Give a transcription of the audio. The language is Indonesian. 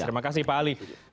terima kasih pak ali